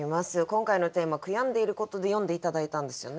今回のテーマ「悔やんでいること」で詠んで頂いたんですよね？